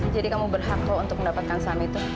jadi kamu berhak kok untuk mendapatkan saham itu